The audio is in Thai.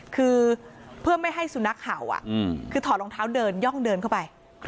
คือเพื่อไม่ให้สุนัขเห่าคือถอดรองเท้าเดินย่องเดินเข้าไป